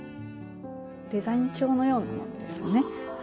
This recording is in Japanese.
デザイン帳のようなものですね。